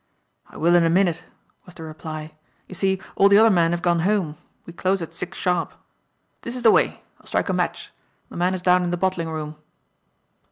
"I will in a minute," was the reply. "You see, all the other men have gone home. We close at six sharp. This is the way. I'll strike a match. The man is down in the bottling room."